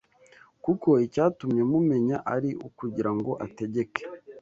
Kuko icyatumye mumenya, ari ukugira ngo ategeke